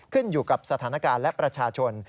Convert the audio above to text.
ขึ้นอยู่กับสถานการณ์และประชาชน